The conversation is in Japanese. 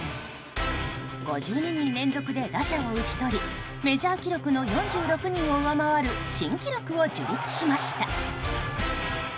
５２人連続で打者を打ち取りメジャー記録の４６人を上回る新記録を樹立しました。